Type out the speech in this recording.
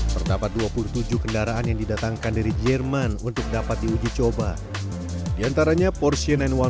terdapat dua puluh tujuh kendaraan yang didatangkan dari jerman untuk dapat diuji coba diantaranya portion annual